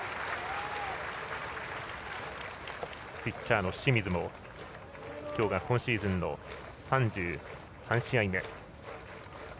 ピッチャーの清水もきょうが今シーズンの３３試合目。